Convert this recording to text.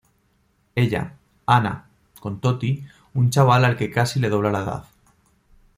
Ella, Ana, con Toti, un chaval al que casi le dobla la edad.